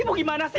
ibu gimana sih bu